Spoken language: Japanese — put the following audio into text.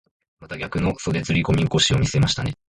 また逆の袖釣り込み腰を見せましたね。